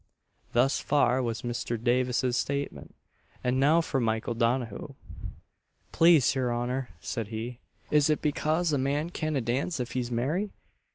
Thus far was Mr. Davis's statement; and now for Mykle Donaghu: "Plase your honour," said he, "is it bekase a man canna dance if he's merry?